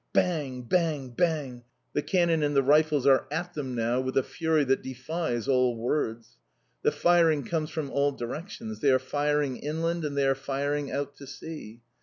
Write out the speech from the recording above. Bang! bang! bang! The cannon and the rifles are at them now with a fury that defies all words. The firing comes from all directions. They are firing inland and they are firing out to sea.